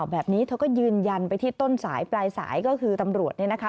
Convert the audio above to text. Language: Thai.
แบบนี้เธอก็ยืนยันไปที่ต้นสายปลายสายก็คือตำรวจเนี่ยนะคะ